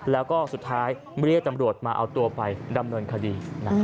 แล้วก็สุดท้ายเรียกตำรวจมาเอาตัวไปดำเนินคดี